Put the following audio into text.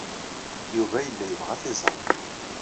Yuba yella yebɣa ad t-iẓer.